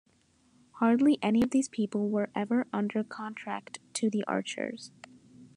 Hardly any of these people were ever under contract to The Archers.